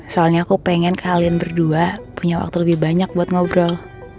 soalnya aku pengen kalian berdua punya waktu lebih banyak buat ngobrol